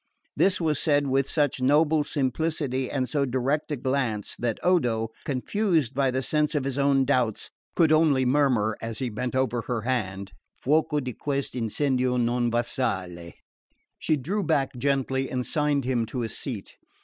This was said with such noble simplicity and so direct a glance, that Odo, confused by the sense of his own doubts, could only murmur as he bent over her hand: "Fuoco di quest' incendio non v' assale." She drew back gently and signed him to a seat.